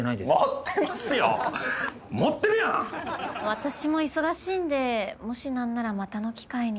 私も忙しいんでもし何ならまたの機会にでも。